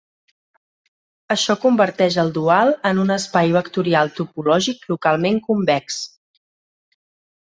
Això converteix el dual en un espai vectorial topològic localment convex.